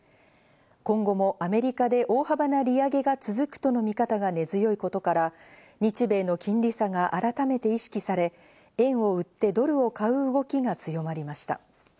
今後もアメリカで大幅な利上げが続くとの見方が根強いことから、日米の金利差が改めて意識され、円を売ってドルを買う動きが強まりました。